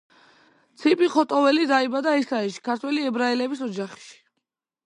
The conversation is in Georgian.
ციპი ხოტოველი დაიბადა ისრაელში, ქართველი ებრაელების ოჯახში.